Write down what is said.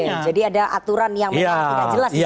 oke jadi ada aturan yang tidak jelas ya